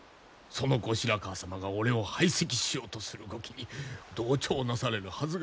その後白河様が俺を排斥しようとする動きに同調なされるはずがあるまい。